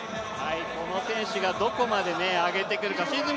この選手がどこまで上げてくるか、シーズン